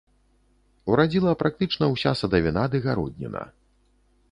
Урадзіла практычна ўся садавіна ды гародніна.